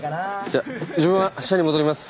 じゃ自分は社に戻ります。